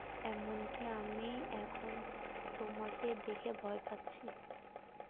এমনকি আমি এখন তোমাকে দেখে ভয় পাচ্ছি।